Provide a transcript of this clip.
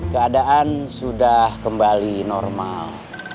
keadaan sudah kembali normal